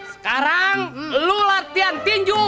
sekarang lu latihan tinju